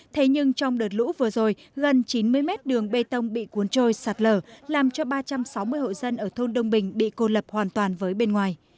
thế nhưng trong đợt lũ vừa rồi gần chín mươi mét đường bê tông bị cuốn trôi sạt lở làm cho ba trăm sáu mươi hộ dân ở thôn đông bình bị cô lập hoàn toàn với bên ngoài